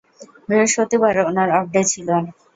বৃহস্পতিবার, ওনার off day ছিল।